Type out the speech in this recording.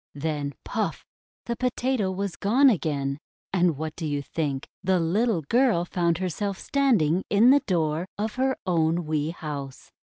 Then — puff! the Potato was gone again, and what do you think? The little girl found herself standing in the door of her own wee house.